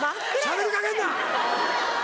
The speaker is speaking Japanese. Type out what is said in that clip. しゃべりかけるな！